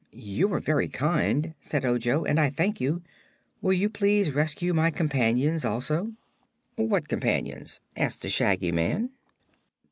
"You were very kind," said Ojo, "and I thank you. Will you please rescue my companions, also?" "What companions?" asked the Shaggy Man.